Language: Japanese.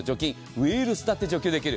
ウイルスだって除去できる。